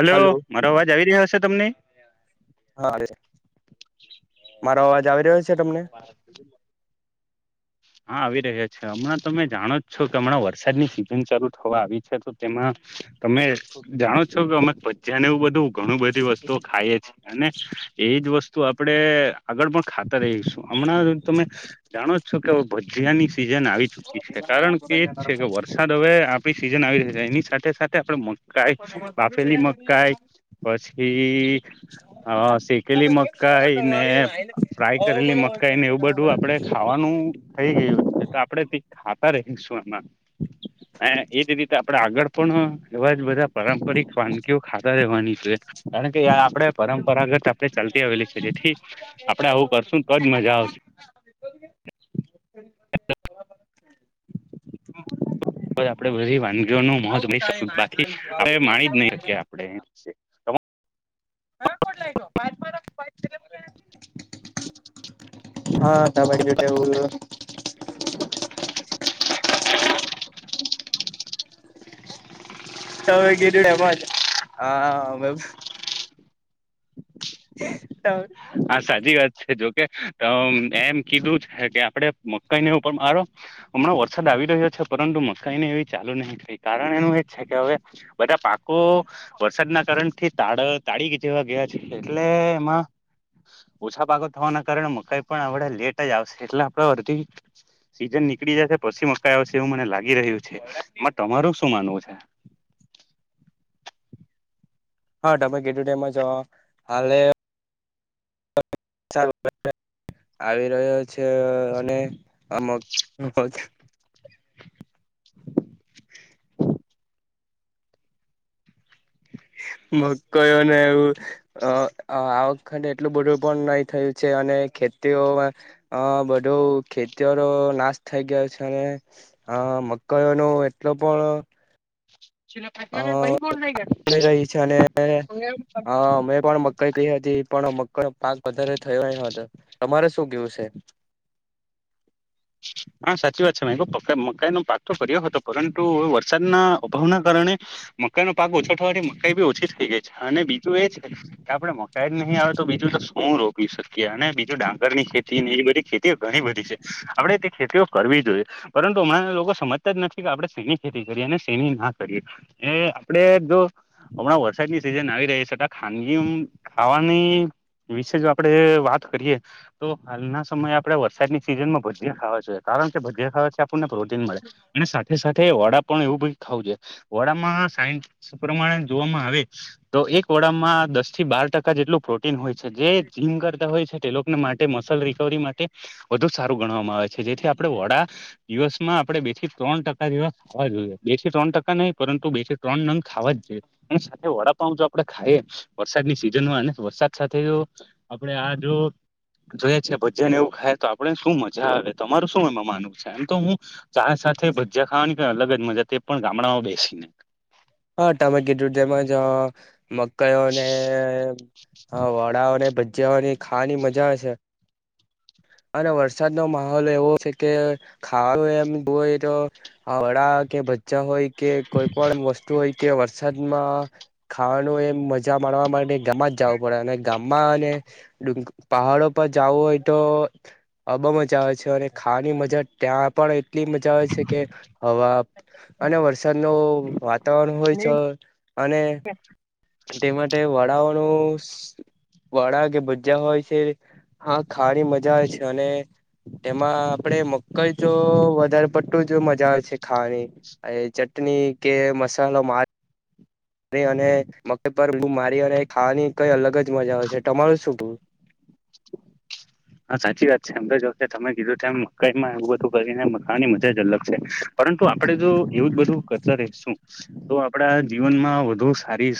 Hello મારો અવાજ આવી રહ્યો છે તમને. હા મારો અવાજ આવી રહ્યો છે. તમને [inaudible] હા આવી રહ્યા છે હમણાં તમે જાણો જ છો કે હમણાં વરસાદની સિઝન ચાલુ થવા આવી છે તો તેમાં તમે જાણો છો કે અમે ભજયા ને એવું બધું ઘણું બધી વસ્તુઓ ખાઈએ છ છેએ અને એજ વસ્તુ આપણે આગળ પણ ખાતા રહીશું હમણાં તમે જાણો છો શ કે હવે ભજીયા ની સિઝન આવી ચુકી છે કારણ કે એજ છે કે વરસાદ હવે આપણી સિઝન આવી ર છે એની સાથે સાથે આપડે મકાઈ બાફેલી મકાઈ પછી હા શેકેલી મકાઈ ને ફ્રાય કરેલી મકાઈ કને એવું બધું આપડે ખાવાનું થઈ ગયું છે આપડે ખાતા રહીશું એમાં અને એજ રીતે આપડે આગળ પણ એવા જ બધા પારંપરિક વાનગીઓ ખાતા રહેવાની છે કારણ કે આપડે પરંપરાગત આપણે ચાલતા આવેલી છે જે ઠી આપડે આવું કરશું તોજ મજા આવશે આપડે બધી વાનગીઓ નું મોજ બાકી આપણે માણી જ નહી શકીએ આપડે કમ હા કોટ લાગપ માને હા ત ભાઈ જોટવું [unintelligible] હવે ગેલું એમાં જ હા [inaudible] હા સાચી વાત. જોકે એમ કીધું છે કે આપડે મકઈની ઉપર મારો હમણાં વરસાદ આવે આવી રહ્યો છે પરંતુ મકાઈને એવી ચાલુ નહી થઈ કારણ એનું એજ છે કે હવે બધા પાકો વરસાદના કારણ થી તા તાળી જેવા ગયા છે એટલે એમાં ઓછા પાકોો થવાના કારણે મકાઈ પણ આપડે લેટ જ આવશે એટલે આપડા વરધ સીઝન નીકળી જશે પછી મકાઈ આવશે એવું મને લાગી રહ્યું છે એ તમારું શું માનવું છે. [inaudible] હા તમે ગેટ ટાઈમાં જ હાલે. સ [unintelligible] આવી રહ્યો છે અને અમક [unintelligible] [inaudible] [inaudible] મ કયો ને એવું આ વખાતે એટલું બધું પણ નહી થયું છે અને [unintelligible] ખેતીઓમાં અ બધું ખેતીઓરો નાશ થઈ ગયો છે અને અ [unintelligible] મકઈઓ ન એટલો પણ હ રહી છે અને હ મેમે પણ મકાઈ કહી હતી પણ [inaudible] પાંચ વધારે થયો હતો તમારે શું કેવું છે. હ [unintelligible] હા સાચી વાત છે મે મકાઈ નો પાક તો કર્યો હતો પરંતુ વરસાદના અભાવના કારણે મકાઈ નનો પાક ઓછો થવાથી મઈી ઓછી થઈ ગાય છે. અને બીજું એ છે કે આપડે મકાઈ જ નહીં આવે તો બીજું તો હું રોપી શકીએ અને બીજું ડાંગર ની ખેતી એ બધી ખેતી ઘણી બધી છે. આપણેે તે ખેતીઓ કરવી જ જોઈએ પરંતુ અમારા લોકો સમજતા જ નથી કે આપણે શેની ખેતી કરીએ અને શેની ના કરીએ. એ આપડે જો હમણાં વરસાદની સીજ આવી રહી છે ખાનગીમ ખાવાની. વિશે જો આપડે વાત કરીએ તો હાલના સમય આપડે વરસાદની સિઝન માં બ ખાવા જોઈએ કારણ કે બધ ખાવાથી આપણને પ્રોટીન મળે અને સાથે સાથે વડા પણ એવું બ ખાવું જોઈએ [unintelligible] વડામાં સાય પ્રમાણે જોવામાં આવે તો એક વડામાં દસ થી બાર ટકા જેટલું પ્રન હોય છે જે જીમ કરતા હોય છે તે લોકોને માટે મસલ રિકવરી માટે વધુ સારું. ગણ આવે છે જેથી આપણે વડા દિવસમાં આપણે બે થી ત્રણ ટકા દિવસ ખવા જોઈએ બે થી ત્રણ ટકા ન પરંતુ બેથી ત્રણ નંગ ખાવા જ છે સાથે વડાપા જો આપડે ખાઈએ વરસાદની સિઝન અને વરસાદ સાથે જો આપડે આ જો. જોય છે ભજન એવું ખાય તો આપડે શું મજા આવે તમારું શું એમાં માનવું છે એમ તો હું. ચ સાથે ભજીયા ખાવાની ક અલગ જ મજા તે પણ ગામડામાં બેસીને હા ટમે કીધુ તેમજ જ મકાઈઓને હા વડાઓને ભજીયાઓની ખાવાની મજા હશે. અને વરસાદનો માહોલ એવો છે કે ખાવા એમ જોય તો વડા કે ભાચા હોય કે કોઈ પણ વસ્તુ હોય કે વરસાદ એમાં ખાવાનું એ મજા માણવા માટે ગામમાં જ જવું પડે અને ગામમાં અને પહાડ પર જાાવ ઓ તો આબ મજા આવે છે અને ખાવાની મજા ત્યાં પણ એટલી મજા આવે છે કે હવા. અને વરસાદ ન વાતાવરણ હોય છે અને તે માટે વડાઓનું વડા કે ભજા હોય છે. હા ખારી મજા આવે છે અને તેમાં આપડે મકઈ તો વધારે પટતું. મજા આવે છે ખાવાની એ ચટણી કે મસાલો માર [unintelligible] મા અને મ પરું મારી અને ખાવાની કઈ અલગ જ મજા આવે છે તમારું શું કું [inaudible] હા સાચી વાત છે એમ તો જો તમે કીધું ત એમ મકાઈ માં એવું બધું કરીને મકાવાની મજા જ અલગ છે. પરંતુ આપણે જો એવું જ બધું કરતા રહેશું તો આપણા જીવનમાં વધુ સારી.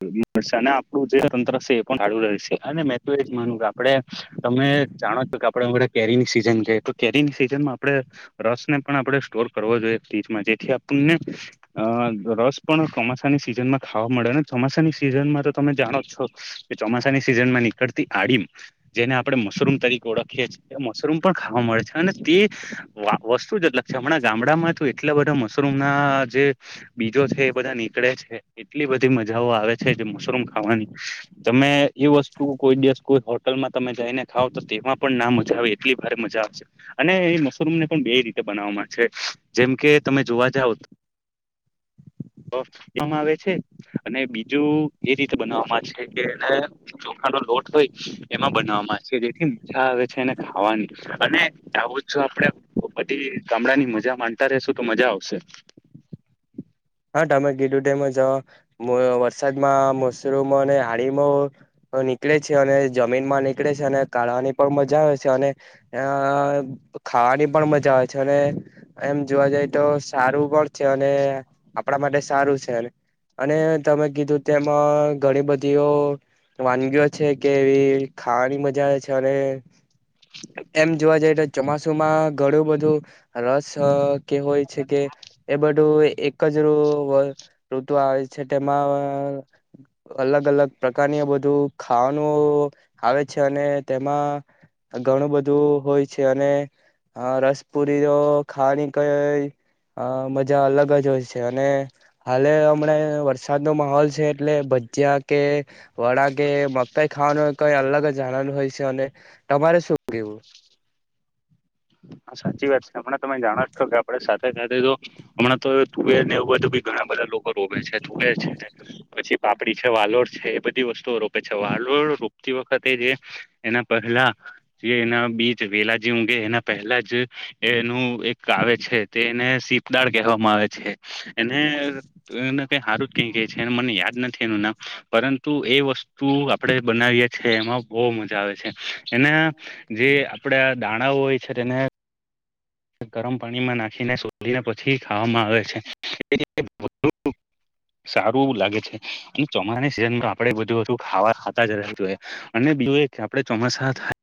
[unintelligible] અને આપણું જે તંત્ર છે એ પણ જાળું રહેશે અને મેં તો એજ માનું કે આપડે તમે જાણો કે આપ અમના કેરીની સીઝન છે તો કેરીની સિઝનમાં આપણે રસ ને પણ આપણે સ્ટોર કરવા જમાં જેથી આપણને રસ પણ ચોમાસાની સિઝનમાં ખાવા મળે ને ચોમાસાની સિઝનમાં તો તમે જાણો છો કે ચોમાસાની સીઝન માં નીકળતી આડીમ જેને આપડે મશરૂમ તરીકે ઓળખીએ છી મશરૂમ પણ ખાવા મળે છે અને તે વા વસ્તુ જ અલગ છે હમણાં ગામડા એટલા બધા મશરૂમ ના જે બીજો છે એ બધા નીકળે છે એટલી બધી મા આવે છે મશરૂમ ખાવાની તમે એ વસ્તુ કોઈ દિવસ કોઈ હોટલમાં તમે જઈને ખાવ તો તેમાં પણ નામ જ અવે એટલી ભારે મજા આવશે અને એ મશરૂમને પણ બે રીતે બનાવવામાં છે જેમ કે તમે જોવા [unintelligible] મ આવે છે અને બીજું એ રીતે બનાવવામાં છે કે એને ચોખાનો લોટ હોય એમાં બનાવવામાં જેથી મજા આવે છે અનેને ખાવાની અને આવ જો આપડે બધી ગામડા ની મજા જ્યા માનતા રશુ તો મજા આવશે હા તમે કીધું તેમજ અ વરસાદમાં મશરૂમ અને હાડીમાં નીકળે છે અને જમીન માં નીકળે છે અને કાળાની પણ મજા આવે છે અને ખાવાની પણ મજા આવે છે અને એમ જોવા જાય તો સારું પણ છે અને આપ માટે સારું છે અને તમે કીધું તેમાં ઘણી બધીઓ વાનગીઓ છે કે એવી ખાવાની મજા આવે છે અને એમ જોવા જઈ તો ચોમાસુમાં ઘણું બધું રસ કે હોય છે કે એ બધું એક જ ઋતુ આવે છે તેમાં અલગ અલગ પ્રકારની બધ બધું ખાવાનું આવે છે અને તેમાં ઘણું બધું હોય છે અને હા રસપુરી જો ખાણી ક હ મજા અલગ જ હોય છે અને હાલે હમણાં વરસાદનો માહોલ છે એટલે ભજીયા કે વડા કે મકાઈ ખાવાનું હોય કઈ અલગ જાણવાનું હોય છે અને તમારે શું કેવું હા સાચી વાત છે હમણાં તમે જાણો છો કે આપડે સાથે સાથે તો હમણાં તો તુવેર ને એવું બધું બી ઘણા બધા લોકો રોવે છે તુવે છે પછી પાપડી છે વાલોર છે એ બધી વસ્તુઓ રોપે છે વાલોર રોપતી વખત જે એના પહેલા જે એના બીજ વેલાજી ઊઘે એના પહેલા જ એનું એક આવે છે તે એને સીપદાળ કહેવામાં આવે છે એને ક હારું જ કઈ કે છે મને યાદ નથી એનું નામ પરંતુ એ વસ્તુ આપડે બનાવીએ છીએ એમાં બહુ મજા આવે છે એના જે આપડા દાણાઓ હોય છે તેને ગરમ પાણીમાં નાખીને શોધીને પછી ખાવામાં આવે છે સારું લાગે છે અને ચોમાસાની સિઝનમાં આપડે બધું ખાવા ખાતા જ રહેવ જોઈએ અને બીજું આપડે ચોમાસા થાય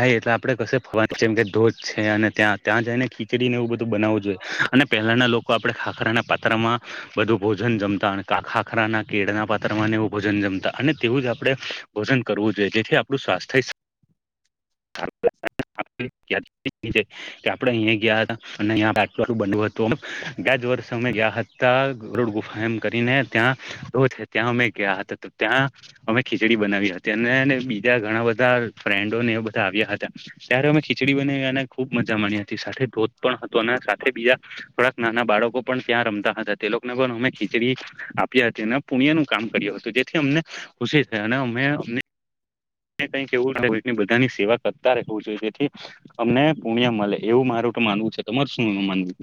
હા એટલે આપડે કશે ફવાનું જેમ કે ધોધ છે અને ત્યાં ત્યાં જઈને ખીચડી ને એવું બધું બનાવવું જોઈએ અને પહેલાના લોકો આપણેે ખાખરાના પાત્રામાં બધું ભોજન જમતા ખાખરાના કેળના પાત્ર એવું ભોજન જમતા અને તેવું જ આપણે ભોજન કરવું જોઈએ જેથી આપણું સ્વાસ્થ્ય [inaudible] આપડે અહીયાં ગયા હતા અને અટુ બનવું હતું ગયાજ વર્ષમે ગયા [unintelligible] ગુફા એમ કરીને ત્યાં ત્યાં અમે ગયા હતા ત્યાં અમે ખીચ ખીચડી બનાવી હતી અને બીજા ઘણા બધા ધુ ને બધા આવ્યા હતા ત્યારે અમે ખીચડી બને અને ખુબ મજા મળ્યા હતી સાથે ધોધ પણ હતો અને સાથે બીજા થોડાક નાના બાળકો પણ ત્યાં રમતા હતા તે લોકોને પણ અમે ખીચડી આપ્યા હતી ને પુણ્ય નું કામ કર્યું હતું જેથી અમને ખુશી થઈ અને અમે અમને કઈક એવું બધાની સેવા કરતા રહેવું જોઈએ જેથી અમને પુણ્ય મલે એવું મારું માનવું છે તમાર શું માનવું?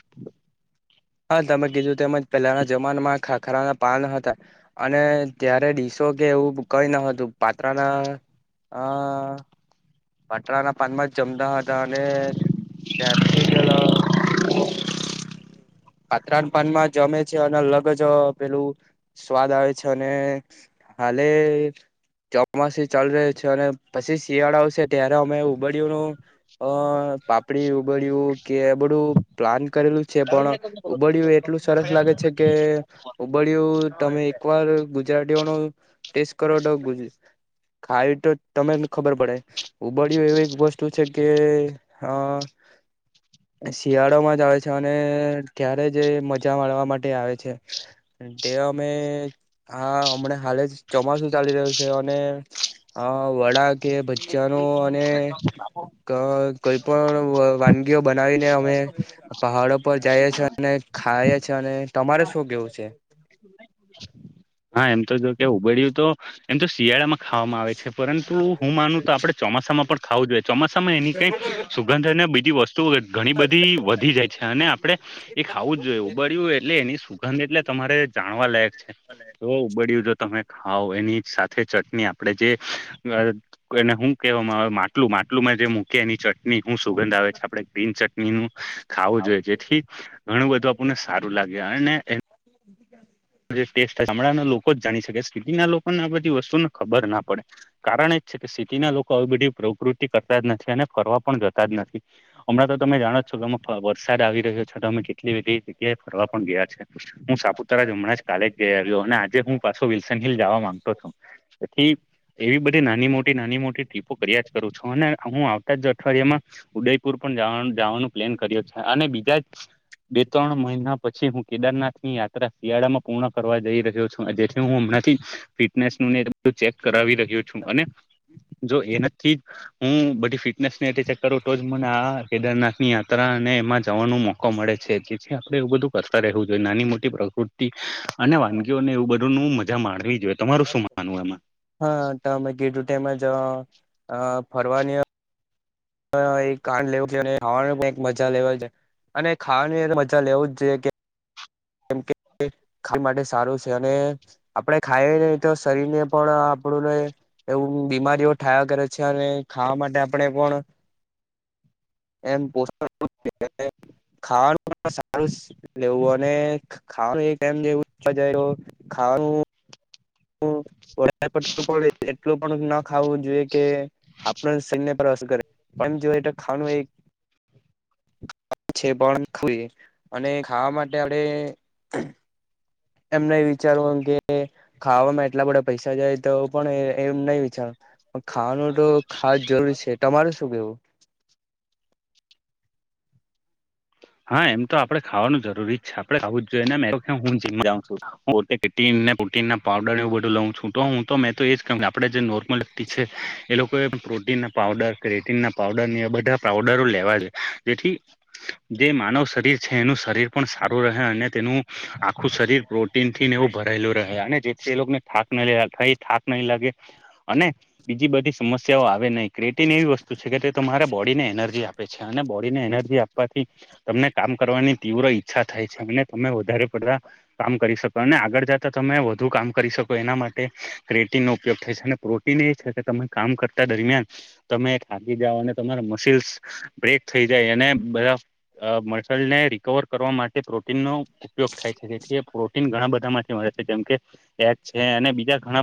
હા તમે કીધું તેમજ પહેલાના જમાનામાં ખાખરાના પાન હતા અને ત્યારે ડીસ તો કે એવું કઈ ન હતું પાત્રા ના અ પાતરાના પાનમાં જ જમતા હતા અને ત્યારથી જલ લોકો [inaudible] પાત્રરાન પાનમાં જમે છે અને અલગ જ પેલું સ્વાદ આવે છે અને કાલે ચોમાસું ચાલી રહ્યો છે અને પછી શિયાળો આવશે ત્યારે અમે ઉબડ્યુંનું અ પાપડી ઉગડ્યું કે બધું પ્લાન કરેલું છે પણ ઉબડ્ યુ એટલું સરસ લાગે છે કે ઉબળિયું તમે એકવાર ગુજરાતીઓનો ટેસ્ટ કરો તો ગુ ખાય તો તમેને ખબર પડે ઉબડ્યું એવી એક વસ્તુ છે કે અ શિયાળોમાં જ આવે છે અને ક્યારે જ મજા માવા માટે આવે છે ડે અમે હા હમણાં હાલે જ ચોમાસું ચાલી રહ્યું છે અને હા વડા કે ભચ્ચા કોઈ પણ વ વાનગીઓ બનાવીને અમે પહાડો પર જઈએ છેીએ અને ખાઈએ છ છેીએ અને તમારે શું કેવું છે હા એમ તો જો કે ઉગડય્યું તો એમ તો શિયાળામાં ખાવામાં આવે છે પરંતુ હું માનું તો આપડે ચોમાસામાં પણ ખાવું જોઈએ ચોમાસામાં એની કંઈ સુગંધ અને બીજી વસ તુ ઘણી બધી વધી જાય છે અને આપણે એ ખાવું જ જોઈએ ઉબડિયું હોય એટલે એની સુગંધ એટલે ત મારે જાણવા લાયક છે જો ઉબડ્યું જો તમે ખાઓ એની સાથે ચટણી આપડે જે એને હું કેવા મા માટલું માટલુંમાં જે મૂકી એની ચટણી શું સુગંધ આવે છે આપડે ગ્રીન ચટણી નું ખાવો જોઈએ જેથી ઘણું બધું આપણને સારું લાગે અને એ જે ટેસ્ટામડાના લોકો જ જાણી શકે સ્થિતિ ના લો પણ આ બધી વસ્તુને ખબર ના પડે કારણ એજ છે કે સિટી ના લોકો આવી બધી પ્રકૃતિ કરતા જ નથી અને ફરવા પણ જતા જ નથી હમણાં તો તમે જાણો છો કેમકે વરસાદ આવી રહ્યો છે તો અમે કેટલી બધી જગ્યાએ ફરવા પણ ગયા છે હું સા કાપુતારા જ હમણાં જ કાલે જ જઈ આવ્યો અને આજે હું પાછો વિલસન હિલ જવા માંગતો છું તેથી એવી બધી નાની મોટી નાની મોટી ટ્રીપો કર્યા જ કરું છું અને હું આવતા જ અઠવાડિયામાં ઉદય પૂર પણ જવાનું પ્લેન કર્યો છે અને બીજા બે ત્રણ મહિના પછી હું કેદારનાથ ની યાત્રા શિયાળામાં પૂર્ણ કરવા જઈ રહ્યો છું જેથી હું હમણાંથી ફિટનેસ નું ને ચેક કરાવી રહ્યો છું અને જો એનાથી જ હું બધી ફિટનેસ ની ચેક કરું તો જ મને આ કેદારનાથ ની યાત્રા ને એમાં જવાનો મોકો મળે છે જેથી આપડે એવું બધું કરતા રહેવું જોઈએ નાની મોટી પ્રકૃતિ અને વાનગીઓને એવું બધું નુ મજા માણવી જોઈએ તમારું શું માનવું એમાં? હા તમે કીધુ તેમજ અ ફરવાની હ એ કાન લેવું ખાવા પણ મજા લેવા છે અને ખાવાની મજા લેવું જ જોઈએ કે કેમ કે ખાવા માટે સારું છે અને આપડે ખાઈ નહી તો શરીર ને પણ આપણુંને એવું બીમારીઓ થાયા કરે છે અને ખાવા માટે આપણે પણ [inaudible] એમ પોષણ પણ મળી રહે ખવાનું સારુ લેવુ હો ને ખાવાનું એક ટાઈમ જેવું [unintelligible] ખાવાનું નુ વધારે પડતું એટલું પણ ન ખાવું જોઈએ કે આપણા શરીર ને પર અસર કરે પણ જો તો ખાવાનું એક છે પણ અને ખાવા માટે આપડણે એમ નહી વિચારવાનુ કે ખાવામાં એટલા બધા પૈસા જાય તો પણ એમ નહી. વિચારવાનુ ખાવાનું તો ખા જરૂરી છે તમારે શું કેવું. હા એમ તો આપડે ખાવાનું જરૂરી છે આપડે ખાવું જ જોઈએને [unintelligible] અને હું જિમ જાઉં છું મોટી સિટી પ્રોટીન ના પાવડર એવું બધું લઉ છૂ તો હું તો મેં તો એજ કહું કે આપે જે નોર્મલ વ્યક્તિ છે એ લોકો એ પ્રોટીન ના પાવડર ક્રેટીન ના પાવડર એ બધા પાવડરો લેવા છે જેથી જે માનવ શરીર છે એનું શરીર પણ સારું રહે અને તેનું આખું શરીર પ્રોટીન થીને એવું ભરેલું રહે અને જેથી એ લોકોને થાક નહી લ થઈ થાક નહીં લાગે. અને બીજી બધી સમસ્યાઓ આવે નહીં ક્રિએટન એવી વસ્તુ છે કે તે તમારા બોડી ને એનર્જી આપે. છે અને બોડી ને એનર્જી આપવાથી તમને કામ કરવાની તીવ્ર ઈચ્છા થાય છે અને તમે વધારે પડતા કામ કરી શકો અને આગળ તમે વધુ કામ કરી શકો એના માટે ક્રેટિન નો ઉપયોગ થાય છે અને પ્રોટીન એ છે કે તમે કામ કર દરમિયાન તમે થાકી જાઓ અને તમારા મસલ્સ બ્રેક થઈ જાય અને બધા અ મસલ ને રિકવર કરવા માટે પ્રોટીનનો ઉપયોગ થાય છે જેથી પ્રોટીન ઘણા બધા માટે જેમ કે એક છે અને બીજા ઘણા